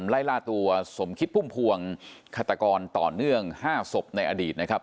ไล่ล่าตัวสมคิดพุ่มพวงฆาตกรต่อเนื่อง๕ศพในอดีตนะครับ